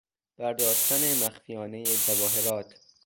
برداشتن مخفیانه جواهرات